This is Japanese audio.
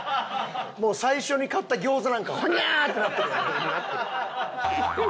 もう最初に買った餃子なんかはフォニャーってなってるよ。